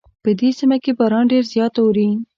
په دې سیمه کې باران ډېر زیات اوري